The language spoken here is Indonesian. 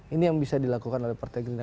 ini yang bisa dilakukan oleh partai gerindra